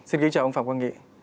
xin kính chào ông phạm quang nghị